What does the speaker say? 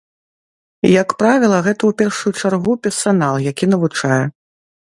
Як правіла, гэта ў першую чаргу персанал, які навучае.